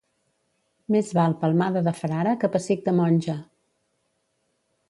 Més val palmada de frare que pessic de monja.